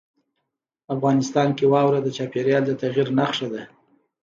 افغانستان کې واوره د چاپېریال د تغیر نښه ده.